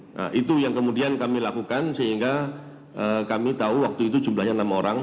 nah itu yang kemudian kami lakukan sehingga kami tahu waktu itu jumlahnya enam orang